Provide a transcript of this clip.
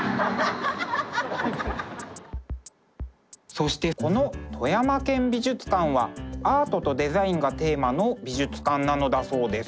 そしてこの富山県美術館はアートとデザインがテーマの美術館なのだそうです。